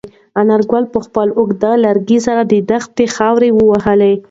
انارګل په خپل اوږد لرګي سره د دښتې خاوره ووهله.